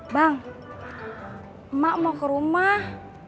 bang emak mau ke rumah